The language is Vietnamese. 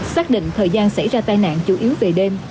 xác định thời gian xảy ra tai nạn chủ yếu về đêm